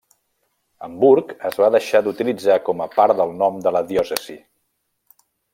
Hamburg es va deixar d'utilitzar com a part del nom de la diòcesi.